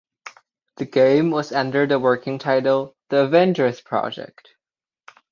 The game was under the working title "The Avengers Project".